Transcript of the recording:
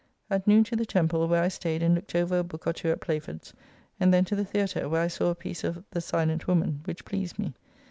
At noon to the Temple, where I staid and looked over a book or two at Playford's, and then to the Theatre, where I saw a piece of "The Silent Woman," which pleased me.